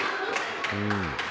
うん。